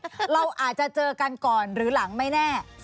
เราอาจจะเจอกันก่อนหรือหลังไม่แน่